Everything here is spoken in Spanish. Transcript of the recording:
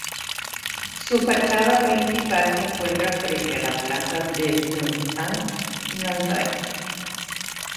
Su fachada principal se encuentra frente a la plaza des Enfants-Nantais.